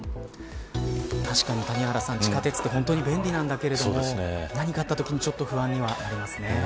確かに、谷原さん地下鉄って本当に便利なんだけれども何かあったときにちょっと不安にはなりますね。